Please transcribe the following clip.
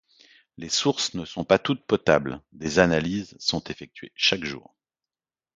Les sources ne sont pas toutes potables, des analyses sont effectuées chaque jour.